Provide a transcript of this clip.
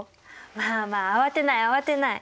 まあまあ慌てない慌てない。